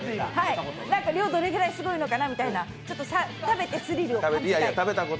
量どれぐらいすごいのかなみたいな、食べてスリルを感じたいなと。